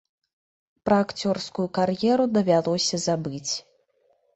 Пра акцёрскую кар'еру давялося забыць.